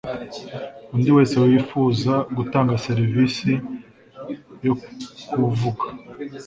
undi wese wifuza gutanga serivisi yokuvuga